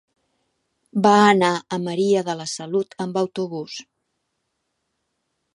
Va anar a Maria de la Salut amb autobús.